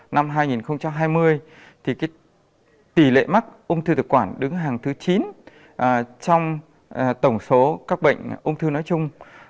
năm hai nghìn hai mươi thì tỷ lệ mắc ông thư thực quản đứng hàng thứ chín trong tổng số các bệnh ông thư nói chung